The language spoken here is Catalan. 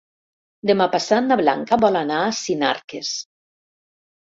Demà passat na Blanca vol anar a Sinarques.